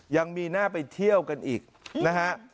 ยังมีหน้าไปเที่ยวกันอีกนะฮะ